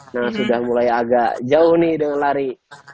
nah sudah mulai agak jauh nih dengan lari